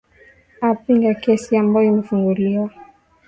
aa pinga kesi ambao imefunguliwa